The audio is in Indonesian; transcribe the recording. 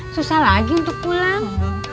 susah lagi untuk pulang